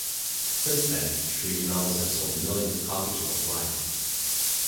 Since then, Shreve's novels have sold millions of copies worldwide.